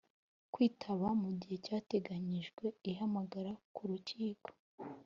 kwitaba mu gihe cyateganyirijwe ihamagara ku rukiko